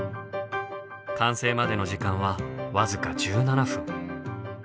完成までの時間は僅か１７分。